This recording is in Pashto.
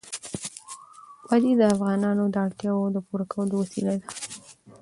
وادي د افغانانو د اړتیاوو د پوره کولو وسیله ده.